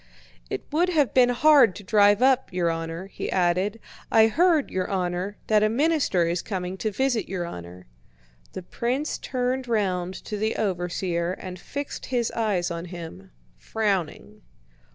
"It would have been hard to drive up, your honor," he added. "I heard, your honor, that a minister is coming to visit your honor." The prince turned round to the overseer and fixed his eyes on him, frowning.